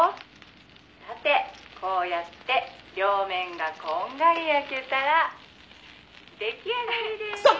「さてこうやって両面がこんがり焼けたら出来上がりです」